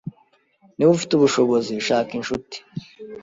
Niba ufite ubushobozi shaka inshuti,